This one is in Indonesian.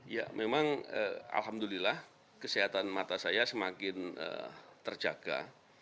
ya memang alhamdulillah kesehatan mata saya semakin terjaga